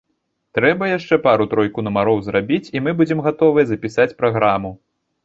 Трэба яшчэ пару-тройку нумароў зрабіць і мы будзем гатовыя запісаць праграму.